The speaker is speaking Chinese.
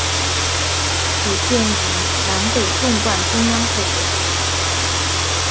此线以南北纵贯中央部分。